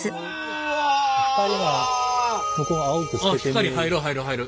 光入る入る入る。